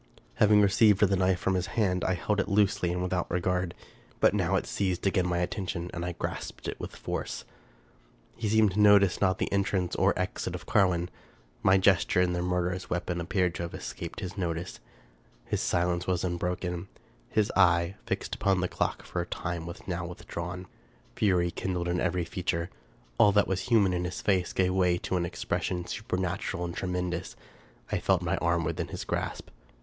Having received the knife from his hand, I held it loosely and without regard ; but now it seized again my attention, and I grasped it with force. He seemed to notice not the entrance or exit of Carwin. My gesture and the murderous weapon appeared to have escaped his notice. His silence was unbroken ; his eye, fixed upon the clock for a time, was now withdrawn ; fury kindled in every feature ; all that was human in his face gave way to an expression supernatural and tremendous. I felt my left arm within his grasp.